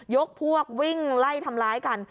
ยกพวกวิ่งไล่ทำร้ายกัน